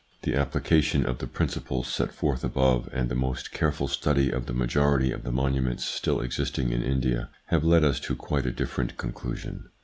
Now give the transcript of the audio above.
The application of the principles set forth above and the most careful study of the majority of the monuments still existing in India have led us to quite a different conclusion.